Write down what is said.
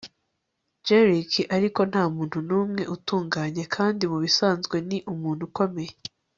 jerk ariko ntamuntu numwe utunganye kandi mubisanzwe ni umuntu ukomeye